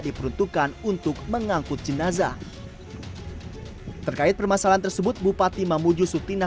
diperuntukkan untuk mengangkut jenazah terkait permasalahan tersebut bupati mamuju sutina